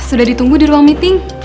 sudah ditunggu di ruang meeting